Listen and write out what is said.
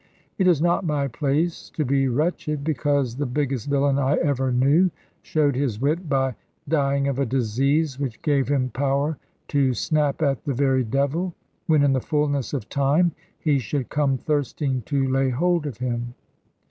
It is not my place to be wretched, because the biggest villain I ever knew showed his wit by dying of a disease which gave him power to snap at the very devil, when in the fulness of time he should come thirsting to lay hold of him.